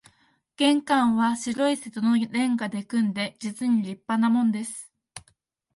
玄関は白い瀬戸の煉瓦で組んで、実に立派なもんです